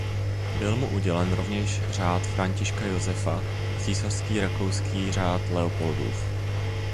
Byl mu udělen rovněž Řád Františka Josefa a Císařský rakouský řád Leopoldův.